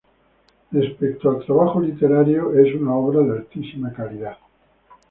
Respecto al trabajo literario, es una obra de altísima calidad.